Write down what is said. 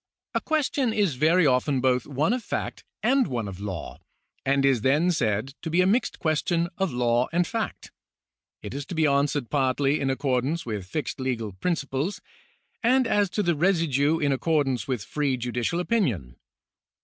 A question is very often both one of fact and one of law, and is then said to be a mixed question of law and of fact. It is to be answered partly in accordance with fixed legal principles, and as to the residue in accordance with free judicial opinion.